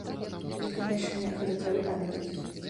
І, канечне, гэта трэба памятаць.